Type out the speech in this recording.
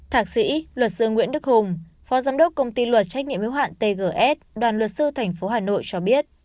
thạc sĩ luật sư nguyễn đức hùng phó giám đốc công ty luật trách nhiệm yếu hạn tgs đoàn luật sư tp hà nội cho biết